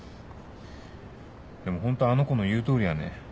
でもホントあの子の言うとおりやね。